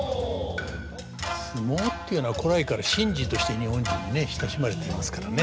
相撲っていうのは古来から神事として日本人にね親しまれてますからね。